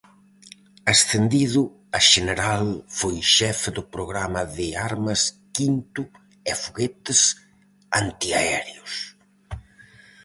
Ascendido a xeneral, foi xefe do programa de armas quinto e foguetes antiaéreos.